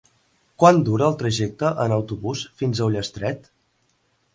Quant dura el trajecte en autobús fins a Ullastret?